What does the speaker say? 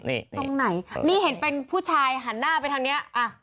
นี่ตรงไหนนี่เห็นเป็นผู้ชายหันหน้าไปทางนี้อ่ะ